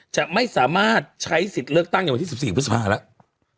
จะไม่สามารถใช้สิทธิ์เลือกตั้งในวันที่๑๔พฤษภาแล้ว